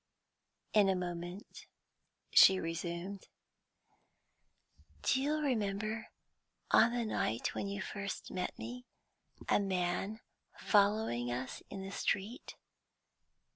In a moment, she resumed. "Do you remember, on the night when you first met me, a man following us in the street?"